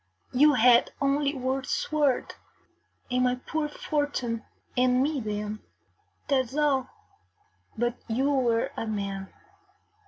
You had only your sword and my poor fortune and me then that is all; but you were a man.